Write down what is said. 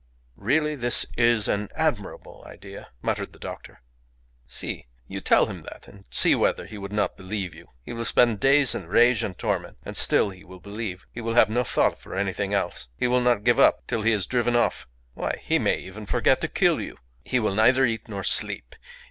"Really, this is an admirable idea," muttered the doctor. "Si. You tell him that, and see whether he will not believe you! He will spend days in rage and torment and still he will believe. He will have no thought for anything else. He will not give up till he is driven off why, he may even forget to kill you. He will neither eat nor sleep.